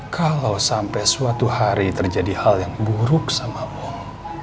kalau sampai suatu hari terjadi hal yang buruk sama uang